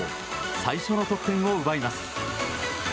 最初の得点を奪います。